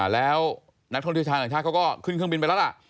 แล้วนักท่องเที่ยวชาวต่างชาติเขาก็ขึ้นเครื่องบินไปแล้วล่ะ